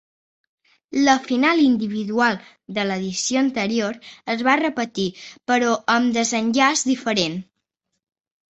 La final individual de l'edició anterior es va repetir però amb desenllaç diferent.